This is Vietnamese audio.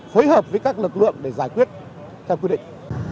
phối hợp với các lực lượng để giải quyết theo quy định